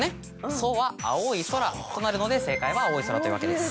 「ソは青い空」となるので正解は「あおいそら」というわけです。